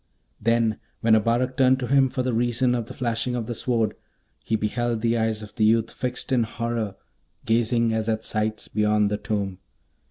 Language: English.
Then, when Abarak turned to him for the reason of the flashing of the Sword, he beheld the eyes of the youth fixed in horror, glaring as at sights beyond the tomb.